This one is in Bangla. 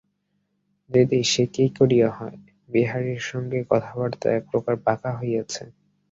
দিদি, সে কী করিয়া হয়–বিহারীর সঙ্গে কথাবার্তা একপ্রকার পাকা হইয়াছে।